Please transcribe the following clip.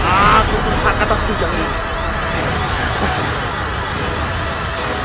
aku berhak atas tujangmu